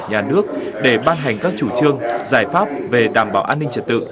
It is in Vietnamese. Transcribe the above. nhà nước để ban hành các chủ trương giải pháp về đảm bảo an ninh trật tự